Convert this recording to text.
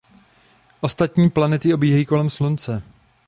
Ostatní planety obíhají kolem Slunce.